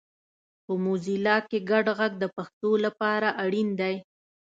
په موزیلا کې ګډ غږ د پښتو لپاره اړین دی